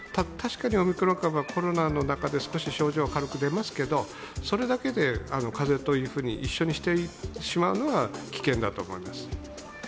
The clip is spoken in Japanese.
確かにオミクロン株はコロナの中で少し症状軽く出ますけどそれだけで、風邪というふうに一緒にしてしまうのは危険だと思います。